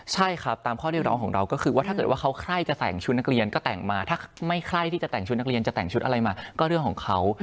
ใช่ครับตามข้อเรียกร้องของเราก็คือว่าถ้าเกิดว่าเขาใครจะใส่ชุดนักเรียนก็แต่งมาถ้าไม่ใครที่จะแต่งชุดนักเรียนจะแต่งชุดอะไรมาก็เรื่องของเขา